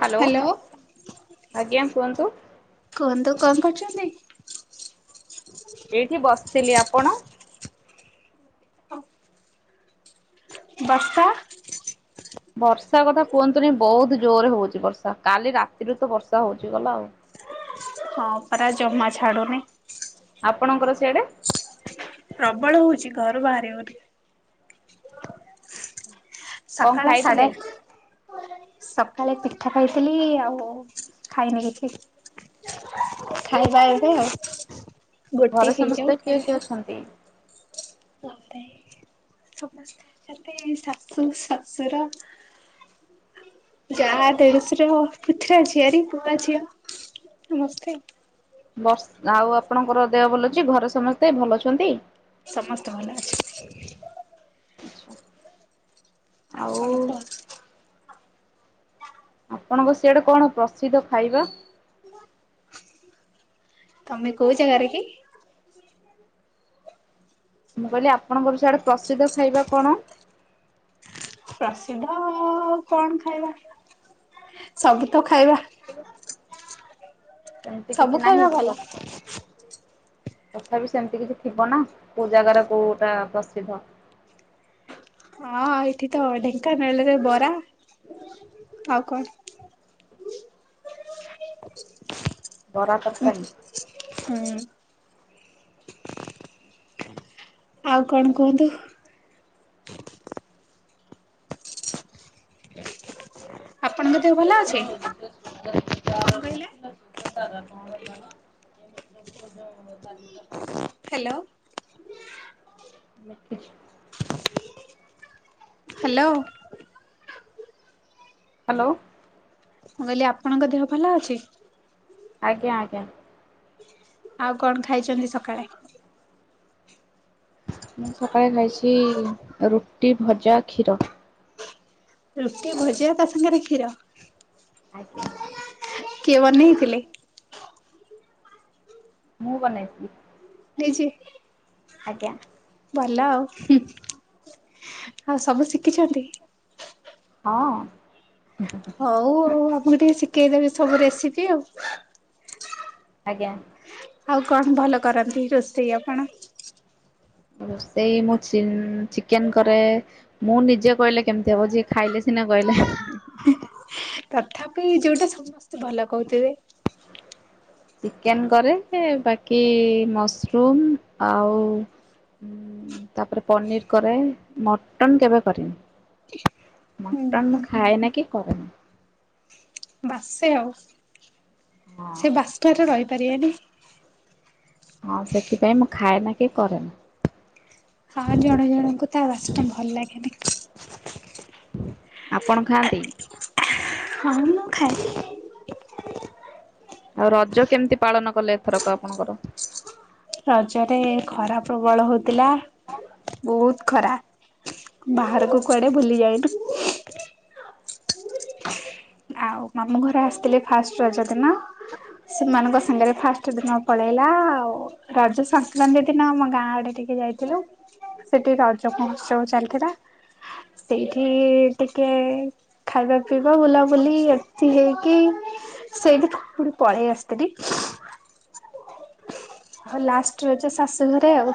Hello hello ଆଜ୍ଞା କୁହନ୍ତୁ। କୁହନ୍ତୁ କଣ କରୁଛନ୍ତି? ଏଇଠି ବସିଥିଲି। ଆପଣ? ହ [inaudible] ବର୍ଷା ବର୍ଷା କଥା କୁହନ୍ତୁନି ବହୁତୁ ଜୋରେ ହଉଛି ବର୍ଷା। କାଲି ରାତିରୁ ତ ବର୍ଷା ହଉଛି ଗଲା ଆଉ। ହଁ ପରା ଜମା ଛାଡ଼ୁନି। ଆପଣଙ୍କର ସିଆଡେ ପ୍ରବଳ ହେଉଛି ଘରୁ ବାହାରିଉନି। କଣ ସକାଳ ସାଢ଼େ ଖାଇଥିଲେ? ସକାଳେ ପିଠା ଖାଇଥିଲି ଆଉ ଖାଇନି କିଛି। ଖାଇବା ଏବେ ଆଉ। ଗୋଟେ ଘରେ ହେଇଯାଉ ସମସ୍ତେ କିଏ ଖାଇବା। କିଏ ଅଛନ୍ତି? [unintelligible] ସମସ୍ତେ ଅଛନ୍ତି ଶାଶୁ ଶଶୁର। ଜା ଦେଢସୁର ପୁତୁ ରା ଝିଅରି ପୁଅ ଝିଅ ନମସ୍େ [unintelligible] ବର୍ଷ ଆଉ ଆପଣଙ୍କର ଦେହ ଭଲ ଅଛି ଘରେ ସମସ୍ତେ ଭଲ ଅଛନ୍ତି? ସମସ୍ତେ ଭଲ ଅଛନ୍ତି। [inaudible] ଆଉ କଣ କୁହ? [inaudible] ଆପଣଙ୍କ ସିଆଡେ କଣ ପ୍ରସିଦ୍ଧ ଖାଇବା? ତମେ କ‌ଉ ଜାଗାରେ କି? ମୁଁ କହିଲି ଆପଣଙ୍କର ସି ଆଡେ ପ୍ରସିଦ୍ଧ ଖାଇବା କଣ? ପ୍ରସିଦ୍ଧ କଣ ଖାଇବା? ସବୁ ତ ଖାଇବା। ସେମିତି ସବୁ କିଛି ନାହିଁ ଖାଇବା ଭଲ। ପ୍ରସିଦ୍ଧ। ତଥାପି ସେମିତି କିଛି ଥିବ ନା କୋଉ ଜାଗାରେ କୋଉଟା ପ୍ରସିଦ୍ଧ। ହଁ ଏଇଠି ତ ଢେଙ୍କାନାଳରେ ବରା ଆଉ କଣ ବରା ତରକାରୀ। ହୁଁ। ଆଉ କଣ କୁହନ୍ତୁ? ଆପଣଙ୍କ ଦେହ ଭଲ ଅଛି? ତାର କଣ ଲଖିଲାର କହିଲେ? କଣ [unintelligible] ଏାର [unintelligible] ହ୍ୟାଲୋ। ଲଖିଛିୁ [inaudible] ହ୍ୟାଲୋ। ହ୍ୟାଲୋ। ମୁଁ କହିଲି ଆପଣଙ୍କ ଦେହ ଭଲ ଅଛି? ଆଜ୍ଞା ଆଜ୍ଞା। ଆଉ କଣ ଖାଇଛନ୍ତି ସକାଳେ? ମୁଁ ସକାଳେ ଖାଇଛି ରୁଟି, ଭଜା, କ୍ଷୀର। ରୁଟି ଭଜା ତା ସାଙ୍ଗରେ କ୍ଷୀର। ଆଜ୍ଞ [inaudible] କିଏ ବନେଇଥିଲେ? ମୁଁ ବନେଇଥିଲି। ଦେଇଛି ଆଜ୍ଞା ଭଲ ଆଉ ହୁଁ ଆଉ ସବୁ ଶିଖିଛନ୍ତି। ହଁ ହଉ ଆଉ ଆମକୁ ଟିକେ ଶିଖେଇଦେବେ ସବୁ ରେସିପି ଆଉ। ଆଜ୍ଞା ଆଉ କଣ ଭଲ କରନ୍ତି ରୋଷେଇ ଆପଣ? ରୋଷେଇ ମୁଁ ଚିନ୍ ଚିକେନ୍ କରେ। ମୁଁ ନିଜେ କହିଲେ କେମିତି ହବ। ଯିଏ ଖାଇଲେ ସିନା କହିଲେ ତଥାପି ଯୋଉଟା ସମସ୍ତେ ଭଲ କହୁଥିବେ। ଚିକେନ କରେ ବାକି ମସରୁମ ଆଉ ତାପରେ ପନିରି କରେ। ମଟନ୍ କେବେ କରିନି। ମଟନ୍ ହୁଁ ମୁଁ ଖାଏ ନା କିି କରେନି। ବାସେ ଆଉ ହଁ ସେ ବାସ୍ନାରେ ରହିପାରିବେନି। ହଁ ସେଥିପାଇଁ ମୁଁ ଖାଏ ନା କି କରେନା। ହଁ ଜଣେ ଜଣଙ୍କୁ ତା ବାସ୍ନା ଭଲ ଲାଗେନି। ଆପଣ ଖାଆନ୍ତି। ହଁ ମୁଁ ଖାଏ। ଆଉ ରଜ କେମିତି ପାଳନ କଲେ ଏଥରକ ଆପଣଙ୍କର। ରଜରେ ଖରା ପ୍ରବଳ ହଉଥିଲା ବହୁତ। ଖରା ବାହାରକୁ କୁଆଡ଼େ ବୁଲି ଯାଇନୁ। ଆଉ ମାମୁଁ ଘର ଆସିଥିଲେ ଫାଷ୍ଟ ରଜ ଦିନ। ସେମାନଙ୍କ ସାଙ୍ଗରେ ଫାଷ୍ଟ ଦିନ ପଳେଇଲା ଆଉ। ରଜ ସଂକ୍ରାନ୍ତି ଦିନ ଆମ ଗାଁ ଆଡ଼େ ଟିକେ ଯାଇଥିଲୁ। ସେଠି ରଜ ମହୋତ୍ସବ ଚାଲିଥିଲା। ସେଇଠି ଟିକେ ଖାଇବା ପିଇବା ବୁଲା ବୁଲି ଏଠି ହେଇକି ସେଇଠି ପୁଣି ପଳେଇ ଆସିଥିଲି। ଆଉ ଲାଷ୍ଟ୍ ରଜ ଶାଶୁ ଘରେ ଆଉ।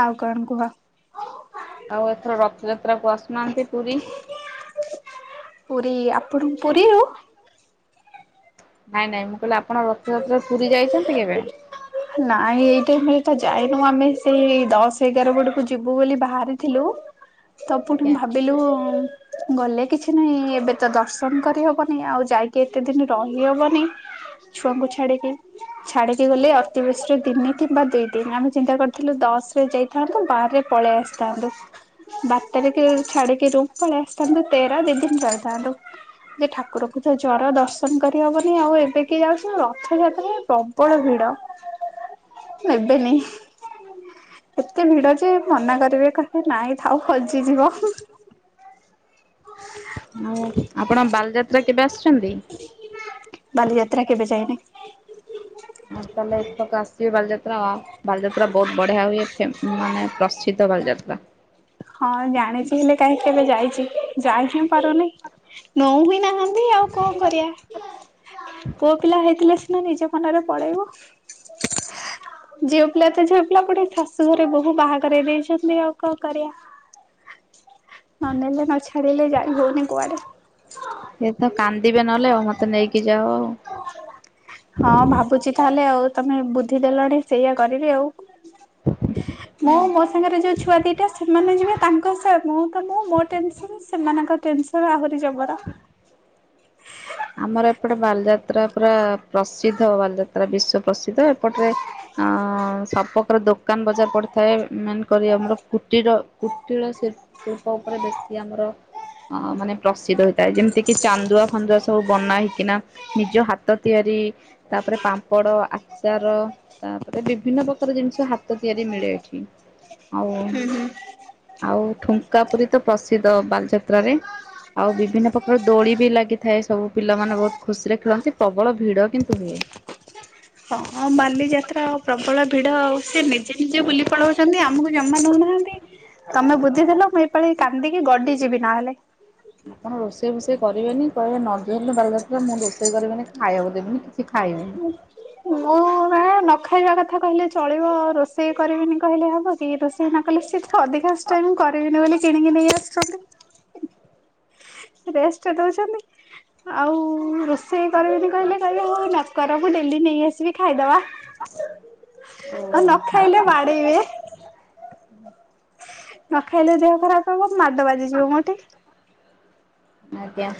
ଆଉ କଣ କୁହ? ଆଉ ଏଥର ରଥଯାତ୍ରାକୁ ଆସୁନାହାନ୍ତି ପୁରୀ। ପୁରୀ ଆପଣ ପୁରୀରୁ ନାଇଁ ନାଇଁ ମୁଁ କହିଲି ଆପଣ ରଥଯାତ୍ରାରେ ପୁରୀ ଯାଇଛନ୍ତି କେବେ? ନାଇଁ ଏଇ ଟାଇମରେ ତ ଯାଇନୁ ଆମେ ସେଇ ଦଶ ଏଗାର ଆଡ଼କୁ ଯିବୁ ବୋଲି ବାହାରି ଥିଲୁ ତ ପୁଣି ଆଜ୍ଞା। ଭାବିଲୁ ଗଲେ କିଛି ନାହିଁ ଏବେ ତ ଦର୍ଶନ କରିହବନି ଆଉ ଯାଇକି ଏତେ ଦିନ୍ ରହିହବନି। ଛୁଆଙ୍କୁ ଛାଡ଼ିକି ଛାଡ଼ିକି ଗଲେ ଅତିବେଶୀରେ ଦିନେ କିମ୍ବା ଦି ଦିନି। ଆମେ ଚିନ୍ତା କର ଥିଲୁ ଦଶ ରେ ଯାଇଥାନ୍ତୁ ବାରରେ ପଳେଇ ଆସିଥାନ୍ତୁ। ବାର ତାରିଖିରେ ଛାଡିକି ରୁମ୍ ପଳେଇ ଆସିଥାନ୍ତୁ ତେର ଦି ଦିନ ରହିଥାନ୍ତୁ। ଯେ ଠାକୁରଙ୍କୁ ତ ଜ୍ଜର ଦର୍ଶ ପସନ୍ଦ କରିହବନି ଆଉ ଏବେ କିଏ ଯାଉଚି ରଥଯାତ୍ରା ପ୍ରବଳ ଭିଡ଼। ନେବେନି ଏତେ ଭିଡ଼ ଯେ ମନା କରିବେ କହିଲେ ନାଇଁ ଥାଉ ହଜିଯିବ। ଆଉ ଆପଣ ବାଲିଯାତ୍ରା କେବେ ଆସଚନ୍ତି? ବାଲିଯାତ୍ରା କେବେ ଯାଇ ନାହିଁ। ଆସେ ତାହେଲେ ଏଥରକ ଆସିିବେ ବାଲିଯାତ୍ରା ଆଁ ବାଲିଯାତ୍ରା ବହୁତ ବଢିଆ ହୁଏ, ହେ ମାନେ ପ୍ରସିଦ୍ଧ ବାଲିଯାତ୍ରା। ହଁ ଜାଣିଛି ହେଲେ କାହିଁକି କେବେ ଯାଇଚି। ଯାଇ ହିଁ ପାରୁନି ନଉ ହି ନାହାନ୍ତି ଆଉ କଣ କରିବା। ପୁଅ ପିଲା ହେଇଥିଲେ ସିନା ନିଜ ମନରେ ପଳେଇବୁ। ଝିଅ ପିଲା ତ ଝିଅ ପିଲା ପୁଣି ଶାଶୁ ଘରେ ବୋହୁ ବାହା କରେଇ ଦେଇଛନ୍ତି ଆଉ କଣ କରିବା। ନ ନେଲେ ନ ଛାଡିଲେ ଯାଇ ହଉନି କୁଆଡେ। ଏ ତ କାନ୍ଦିବେ ନହେଲେ ଆଉ ମତେ ନେଇକି ଯାଅ। ହଁ ଭାବୁଛି ତାହେଲେ ଆଉ ତମେ ବୁଦ୍ଧିଦେଲଣି ସେଇଆ କରିବି ଆଉ। ମୁଁ ମୋ ସାଙ୍ଗରେ ଯୋଉ ଛୁଆ ଦିଟା ସେମାନେ ଯିବେ ତାଙ୍କ ସେବୁ ତ ମୁଁ ମୋ ଟେନସନ୍ ସେମାନଙ୍କ ଟେନସନ୍ ଆହୁରି ଯବର। ଆମର ଏପଟେ ବାଲିଯାତ୍ରା ପୁରା ପ୍ରସିଦ୍ଧ ବାଲିଯାତ୍ରା ବିଶ୍ଵ ପ୍ରସିଦ୍ଧ ଏପଟରେ ଆ ସବକାର ଦୋକାନ ବଜାର ପଡିଥାଏ, ମେନ୍ କରି ଆମର କୁଟୀର କୁଟୀର ଶିଳ ଶିଳ୍ପ ଉପରେ ବେଶୀ ଆମର ଅ ମାନେ ପ୍ରସିଦ୍ଧ ହେଇଥାଏ ଯେମିତି କି ଚାନ୍ଦୁଆ ଫାନ୍ଦୁଆ ସ ସବୁ ବନା ହେଇକିନା ନିଜ ହାତ ତିଆରି ତାପରେ ପାମ୍ପଡ଼, ଆଚାର ତାପରେ ବିଭିନ୍ନ ପ୍ରକାର ଜିନିଷ ହାତ ତିଆରି ମିଳେ ଏଠି। ଆଉ ହୁଁ ହୁଁ ଆଉ ଠୁଙ୍କା ପୁରୀ ତ ପ୍ରସିଦ୍ଧ ବାଲିଯାତ୍ରାରେ। ଆଉ ବିଭିନ୍ନ ପ୍ରକାର ଦୋଳି ବି ଲାଗିଥାଏ। ସବୁ ପିଲାମାନେ ବହୁତ ଖୁସିରେ ଖେଳନ୍ତି, ପ୍ରବଳ ଭିଡ଼ କିନ୍ତୁ ହୁଏ। ହଁ ବାଲିଯାତ୍ରା ପ୍ରବଳ ଭିଡ ଆଉ ସେ ନିଜେ ନିଜେ ବୁଲି ପଳାଉଚନ୍ତି ଆମକୁ ଜମା ନଉନାହାନ୍ତି ତମେ ବୁଦ୍ଧିଦେଲ ମୁଁ ଏପାଳି କାନ୍ଦିକି ଗଡି ଯିବି ନହେଲେ। ଆପଣ ରୋଷେଇ ଫୋଷେଇ କରିବେନି, କହିବେ ନଜରଲେ ବାଲିଯାତ୍ରା ମୁଁ ରୋଷେଇ କରିବିନି, ଖାଇବାକୁ ଦେବିନି, କିଛି ଖାଇବିନି। ମୁଁ ବା ନ ଖାଇବା କଥା କହିଲେ ଚଳିବ ଆଉ ରୋଷେଇ କରିବିନି କହିଲେ ହବ କି ରୋଷେଇ ନ କଲେ ସି ଅଧିକାଂଶ ଟାଇମ୍ ମୁଁ କରିବିନି ବୋଲି କିଣିକି ନେଇ ଆସୁଚନ୍ତି। ରେଷ୍ଟ ଦଉଚନ୍ତି, ଆଉ ରୋ ଷେଇ କରିବିନି କହିଲେ କହିବେ ହଁ ହଉ ନକର ମୁଁ ଡେଲି ନେଇ ଆସିବି ଖାଇଦବା। ଆଉ ଓହୋ ନ ଆଚ୍ଛା ଖାଇଲେ ବାଡେଇବେ। ନ ଖାଇଲେ ଦେହ ଖରାପ ହବ ମାଡ ବାଜିଯିବ ମୋଠି। ଆଜ୍ଞା।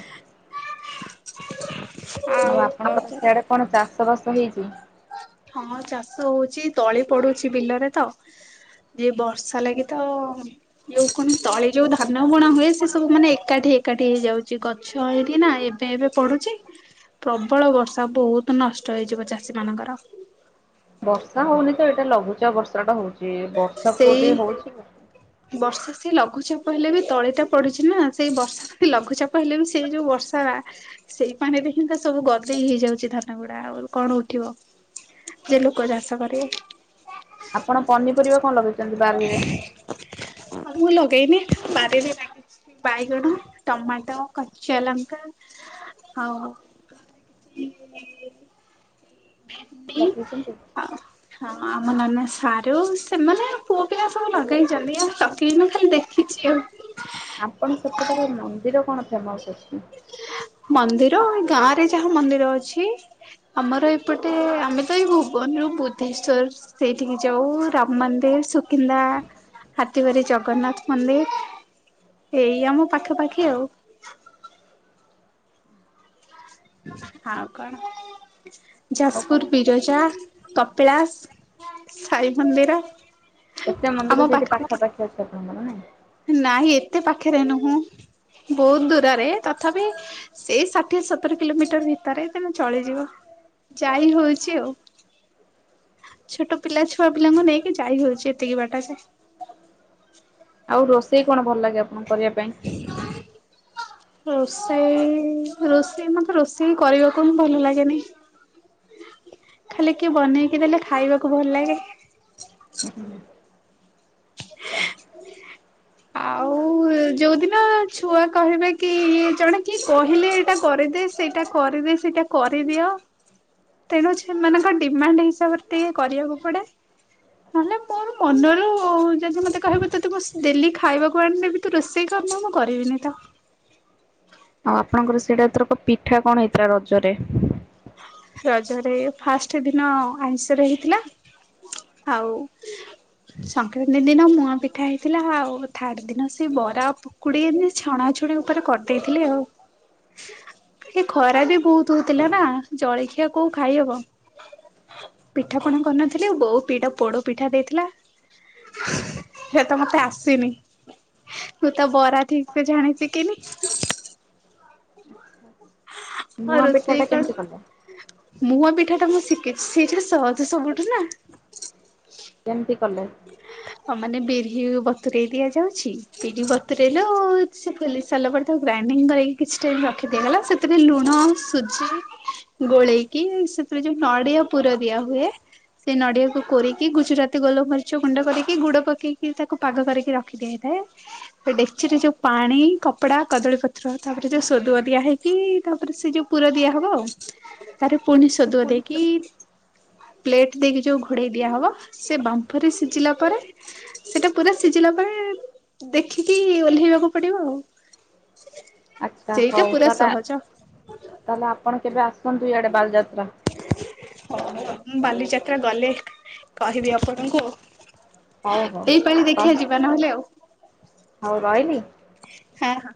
ଆଉ କଣ ଆପଣଙ୍କର କରିବା। ସେଆଡେ କଣ ଚାଷ ବାସ ହେଇଚି? ହଁ ଚାଷ ହଉଛି, ତଳି ପଡୁଛି ବିଲରେ ତ। ଯେ ବର୍ଷା ଲାଗି ତ ଯୋଉ କଣ ତଳେ ଯୋଉ ଧାନ ବୁଣା ହୁଏ ସେ ସବୁ ମାନେ ଏକାଠି ହେଇ ଏକାଠି ହେଇଯାଉଛି ଗଛ ଏଇଠି ନା ଏବେ ଏବେ ପଡୁଛି। ପ୍ରବଳ ବର୍ଷା ବହୁତ ନଷ୍ଟ ହେଇଯିବ ଚାଷୀ ମାନଙ୍କର। ବର୍ଷା ହଉନି ତ ଏଇଟା ଲଘୁଚାପ ବର୍ଷା ଟା ହଉଛି ବର୍ଷା ପୁ ସେଇ ଟିକେ ହଉଛି। ବର୍ଷା ସେ ଲଘୁଚାପ ହେଲେ ବି ତଳି ଟା ପଡିଛି ନା ସେଇ ବର୍ଷା ଲଘୁଚାପ ହେଲେ ବି ସେଇ ଯୋଉ ବର୍ଷା ବା। ସେଇ ପାଣିରେ ହିଁ ତ ସବୁ ଗଦେଇ ହେଇଯାଉଛି ଧାନ ଗୁଡା, ଆଉ କଣ ଉଠିବ। କେତେ ଲୋକ ଚାଷ କରିବେ। ଆପଣ ପନିପରିବା କଣ ଲଗେଇଛନ୍ତି? ବାରିରେ ଆ ମୁଁ ଲେଇନି ବାରିରେ ସାଗ ବାଇଗଣ ଟମାଟୋ କଚା ଲଙ୍କା ଆଉ [inaudible] ଭିଣ୍ଡି ଲଗେଇଛନ୍ତି? ଆଉ ହଁ ଆମ ନାନା ସାରୁ ସେମାନେ ପୁଅ ପିଲା ସବୁ ଲଗେଇଛନ୍ତି ଆଉ ଚକି ନ ଖାନ୍ତେ ଆପଣ ସେପଟରେ ମନ୍ଦିର କଣ ଫେମସ ଅଛି? ମନ୍ଦିର ଏ ଗାଁ ରେ ଯାହା ମନ୍ଦିର ଅଛି ଆମାର ଏ ଏପଟେ ଆମେ ତ ଏଇ ଭୁବନରୁ ବୁଦ୍ଧେଶ୍ୱଵର ସେଇଠିକି ଯାଉ ରାମ ମନ୍ଦିର, ସୁକିନ୍ଦା ହାତୀ ଭାର ଜଗନ୍ନାଥ ମନ୍ଦିର ଏଇ ଆମ ପାଖାପାଖି ଆଉ। ଆଉ କଣ ଆଉ ଯାଜପୁର କଣ ବିର - ପଜା ନ୍ତ୍ତୁ ରକ କପିଳାସ ସାଇ ମନ୍ଦିର। ଏତେ ମନ୍ଦିର ଆମ ସେଇଠି ପାଖା ପାଖିରେ ପାଖାପାଖି ଅଛି ଆପଣଙ୍କର ନାଇଇଁମନ ଫିଟ୍ ନାଇଁ ଏତେ ପାଖରେ ନୁହଁ ବହୁତ ଦୂରରେ ତଥାପି ସେଇ ଠିଏ ସତର କିଲୋମିଟର ଭିତରେ ତମେ ଚଳିଯିବ ଯାଇ ହଉଛି ଆଉ। ଛୋଟ ପିଲା ଛୁଆ ପିଲାଙ୍କୁ ନେଇକି ଯାଇ ହଉଛି ଏତିକି ବାଟରେ। ଆଉ ରୋଷେଇ କଣ ଭଲ ଲାଗେ ଆପଣଙ୍କୁ କରିବା ପାଇଁ। ରୋଷେଇ ରୋଷେଇ ମତେ ରୋଷେଇ କରିବାକୁ ହିଁ ଭଲ ଲାଗେନି। ଖାଲି କିଏ ବନେଇକି ଦେଲେ ଖାଇବାକୁ ଭଲ ଲାଗେ। [inaudible] ଆଉ ଯୋଉ ଦିନ ଛୁଆ କହିବେ କି ଇଏ ଜଣେ କିଏ କହିଲେ ଏଇଟା କରିଦେ ସେଇଟା କରିଦେ ସେଇଟା କରିଦିଅ ତେଣୁ ସେମାନଙ୍କ ଡିମାଣ୍ଡ ହିସାବରେ ଟିକେ କରିବାକୁ ପଡେ। ନହେଲେ ମୋର ମନରୁ ଯଦି ମତେ କହିବ ତତେ ମୁଁ ଡେଲି ଖାଇବାକୁ ଆଣିଲେ ବି ତୁ ରୋଷେଇ କାମ ମୁଁ କରିବିନି ତ। ଆଉ ଆପଣଙ୍କର ସେଇଟା ଧର ପିଠା କଣ ହେଇଥିଲା ରଜରେ। ରଜରେ ଫାଷ୍ଟ ଦିନ ଆଇଁଷରେ ହେଇଥିଲା ଆଉ ସଂକ୍ରାନ୍ତି ଦିନ ମୁଆଁ ପିଠା ହେଇଥିଲା ଆଉ ଥାର୍ଡ ଦିନ ସେ ବରା ଆଉ ଖୁଡି ଏମତି ଛଣାଛୁଣି ଉପରେ କରି ଦେଇଥିଲି ଆଉ। ସେ ଖରା ବି ବହୁତ ହଉଥିଲା ନା ଜଳଖିଆ କ ଖାଇହବ। ପିଠା ପଣା କରିନଥିଲି ବୋଉ ଦିଟା ପିଠା ପୋଡ ପିଠା ଦେଇଥିଲା ସେ ତ ମତେ ଆସେନି। ମୁଁ ତ ବରା ଠିକ୍ ସେ ଜାଣି ଶିକିନି। ହଁ, ମୁଆଁ ପିଠା ରୋଷେଇ ଟା କେମିତି କଲେ କଣ ମୁହଁ ପିଠା ଟା ମୁଁ ଶିଖେଇଛି ସେଇଟା ସହଜ ସବୁଠୁ ନା କେମିତି କଲେ? ହଁ ମାନେ ବିରି ବତରେଇ ଦିଆଯାଉଛି। ପରି ବତୁରେଇଲୁ ସେ ଫୁଲି ସରିଲା ପରେ ତାକୁ ଗ୍ରାଇଙ୍ଗ କରି କିଛି ଟାଇମ୍ ରଖିଦିଗଲା ସେ ସେଥିରେ ଲୁଣ ସୁଜି ଗୋଳେଇକି ସେଥିରେ ଯୋଉ ନଡିଆ ପୁର ଦିଆ ହୁଏ। ସେ ନଡିଆକୁୁ କୋିରିକି ଗୁଜୁରାତି ଗୋଲ୍ ମରିଚ ଯଉ ଗୁଣ୍ଡ କରିକି ଗୁଡ଼ ପକେଇକି ତାକୁ ପାଗ କରିକି ରଖି ଦିଆ ହେଇଥାଏ। ସେ ଡେକ୍ଚିରେ ଯଉ ପାଣି, କପଡା, କଦଳୀପତ୍ର ତାପରେ ଯଉ ସୋଦୁଅ ଦିଆ ହେଇ କି ତାପରେ ସେ ଯଉ ପୁର ଦିଆ ହବ ଆଉ। ତାରେ ପୁଣି ସୋଦୁଆ ଦେଇକି ପ୍ଲେଟ ଦେଇକି ଯଉ ଘୋଡେଇ ଦିଆ ହବ ସେ ବାମ୍ଫରେ ସିଝିଲା ପରେ ସେଟା ପୁରା ସିଜିଲା ପରେ ଦେଖିକି ଓହ୍ଲେଇବାକୁ ପଡିବ ଆଉ। ଆଚ୍ଛା ସେଇଟା ହଉ ପୁରା ତାହେଲେ ସହଜ। ତାହେଲେ ଆପଣ କେବେ ଆସନ୍ତୁ ଇଆଡେ ବାଲଯାତ୍ରା। ହ ମୁଁ ବାଲିଯାତ୍ରା ଗଲେ କହିବି ଆପଣଙ୍କୁ। ଏଇପାଳି ଦେଖିଆ ଯିବା ନହେଲେ ଆଉ। ହଉ ରହବି? ହଁ ହଁ।